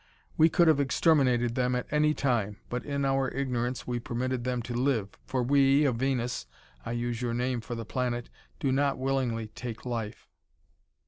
We could have exterminated them at any time, but, in our ignorance, we permitted them to live, for we, of Venus I use your name for the planet do not willingly take life."